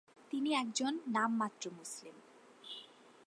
তিনি একজন নামমাত্র মুসলিম।